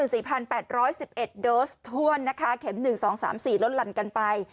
แสนกว่า๑๕๔๘๑๑โดสทวนนะคะเข็ม๑๒๓๔ล้นลั่นกันไป